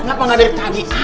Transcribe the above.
kenapa gak ada tadi